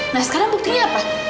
nah sekarang buktinya apa